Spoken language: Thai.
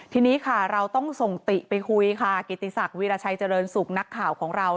ทีนี้ค่ะเราต้องส่งติไปคุยค่ะกิติศักดิราชัยเจริญสุขนักข่าวของเรา